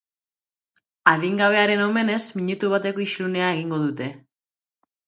Adingabearen omenez minutu bateko isilunea egingo dute.